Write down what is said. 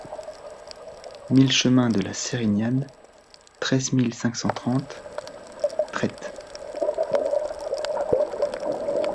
mille chemin de la Sérignane, treize mille cinq cent trente Trets